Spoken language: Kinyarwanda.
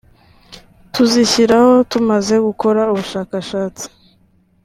tuzishyiraho tumaze gukora ubushakashatsi